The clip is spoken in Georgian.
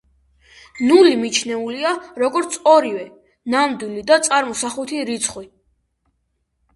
ნული მიჩნეულია როგორც ორივე, ნამდვილი და წარმოსახვითი რიცხვი.